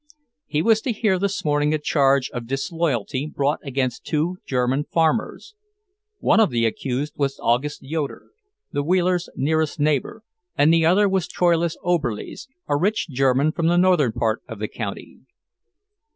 He was to hear this morning a charge of disloyalty brought against two German farmers. One of the accused was August Yoeder, the Wheelers' nearest neighbour, and the other was Troilus Oberlies, a rich German from the northern part of the county.